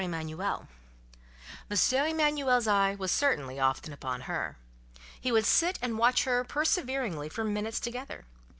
Emanuel. Monsieur Emanuel's eye was certainly often upon her. He would sit and watch her perseveringly for minutes together.